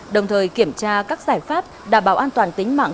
đồng thời kiểm tra các giải pháp đảm bảo an toàn tính mạng